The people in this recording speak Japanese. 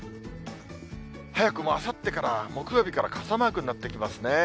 早くもあさってから、木曜日から傘マークになってきますね。